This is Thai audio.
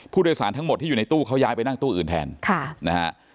ผู้โดยสารทั้งหมดที่อยู่ในตู้เขาย้ายไปนั่งตู้อื่นแทนค่ะนะฮะ